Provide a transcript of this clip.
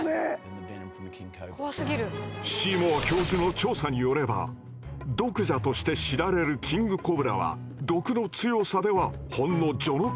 シーモア教授の調査によれば毒蛇として知られるキングコブラは毒の強さではほんの序の口にすぎない。